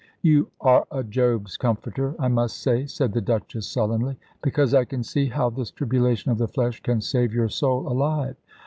"You are a Job's comforter, I must say," said the Duchess, sullenly. "Because I can see how this tribulation of the flesh can save your soul alive.